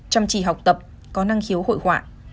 chăm chỉ học tập có năng khiếu hội họa